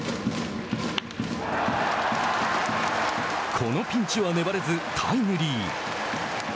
このピンチは粘れずタイムリー。